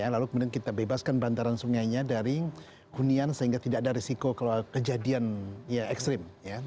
lalu kemudian kita bebaskan bandaran sungainya dari gunian sehingga tidak ada risiko kejadian ekstrim